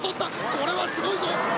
これはすごいぞ！